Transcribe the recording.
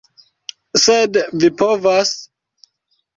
Sed vi povas...